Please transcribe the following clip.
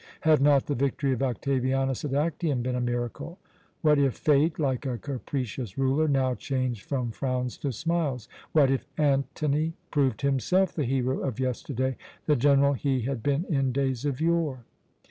Had not the victory of Octavianus at Actium been a miracle? What if Fate, like a capricious ruler, now changed from frowns to smiles? What if Antony proved himself the hero of yesterday, the general he had been in days of yore?